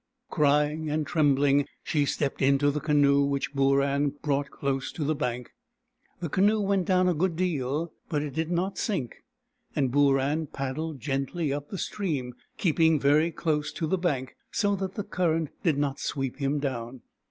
Crjdng and trembling, she stepped into the canoe, which Booran brought close to the bank. The canoe went down a good deal, but it did not sink, and Booran paddled gently up the stream, keeping very close to the bank, so that the cur rent did not sweep him down.